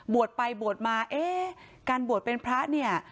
ไปบวชมาเอ๊ะการบวชเป็นพระเนี่ย